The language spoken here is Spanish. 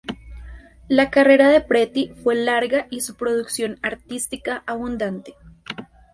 La carrera de Preti fue larga y su producción artística abundante.